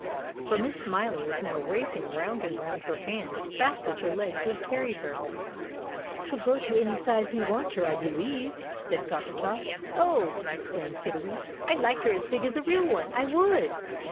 For Miss Smiler was now racing round and round her hand as fast as her legs would carry her. "She'll grow to any size we want her, I believe," said Coppertop. "Ough!" exclaimed Kiddiwee; "I'd like her as big as a real one, I would!"